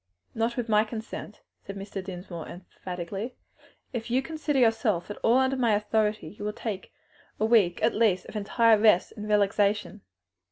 "Not with my consent," said Mr. Dinsmore emphatically; "if you consider yourself at all under my authority you will take a week at least of entire rest and relaxation."